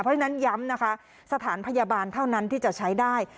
เพราะฉะนั้นย้ำนะคะสถานพยาบาลเท่านั้นที่จะใช้ได้